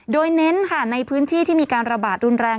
โดยเน้นค่ะในพื้นที่ที่มีการระบาดรุนแรง